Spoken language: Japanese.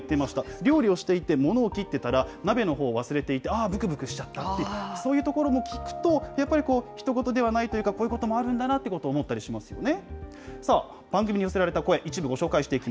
料理をしていて、物を切っていたら、鍋のほうを忘れていて、ああ、ぶくぶくしちゃってっていう、そういうことを聞くと、やっぱりひと事ではないというか、こういうこともあるんだなということを思ったりしますよね。